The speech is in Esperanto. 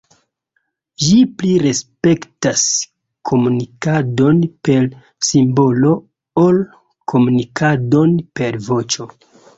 Ĝi pli respektas komunikadon per simbolo ol komunikadon per voĉo.